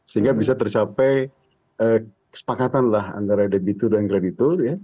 sehingga bisa tercapai kesepakatan lah antara debitur dan kreditur ya